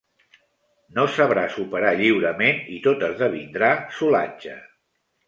No sabràs operar lliurement i tot esdevindrà solatge.